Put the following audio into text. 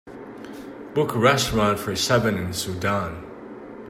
book a restaurant for seven in Sudan